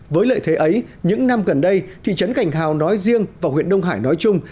với lợi thế ấy những năm gần đây thị trấn cảnh hào nói riêng và huyện đông hải nói chung